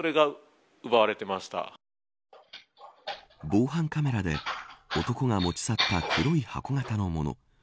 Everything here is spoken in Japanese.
防犯カメラで男が持ち去った黒い箱形のもの。